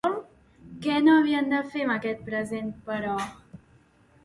Què no havien de fer amb aquest present, però?